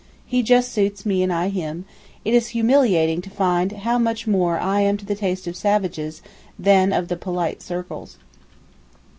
He just suits me and I him, it is humiliating to find how much more I am to the taste of savages than of the 'polite circles.